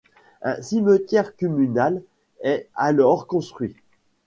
Un cimetière communal est alors construit.